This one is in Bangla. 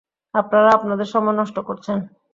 আপনারা আপনাদের সময় নষ্ট করছেন!